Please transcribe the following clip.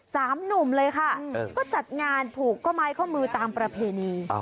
สามหนุ่มเลยค่ะก็จัดงานผูกข้อไม้ข้อมือตามประเพณี